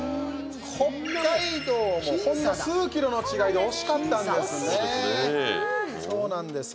北海道もほんの数キロの違いで惜しかったんですね。